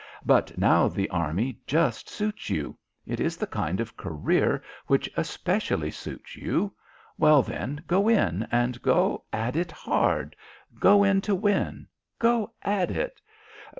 But now the Army just suits you. It is the kind of career which especially suits you. Well, then, go in, and go at it hard. Go in to win. Go at it."